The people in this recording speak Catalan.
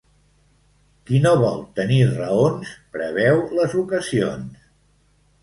Qui no vol tenir raons preveu les ocasions.